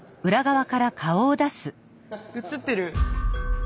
映ってる？